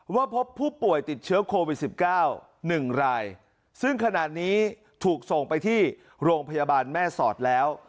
ว่าพบผู้ป่วยติดเชื้อโควิด๑๙๑รายซึ่งขณะนี้ถูกส่งไปที่โรงพยาบาลแม่สอดแล้ว